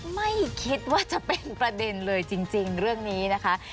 ไม่คิดว่าจะเป็นประเด็นเลยจริงเรื่องนี้นะคะ